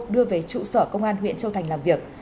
đưa về trụ sở công an huyện châu thành làm việc